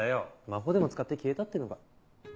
魔法でも使って消えたってのか？